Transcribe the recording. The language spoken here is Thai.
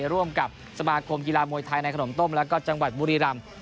ร่วมกับสมาคมกีฬามวยไทยในขนมต้มแล้วก็จังหวัดบุรีรำ